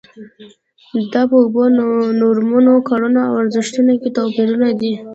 دا په اوبو، نورمونو، کړنو او ارزښتونو کې توپیرونه دي.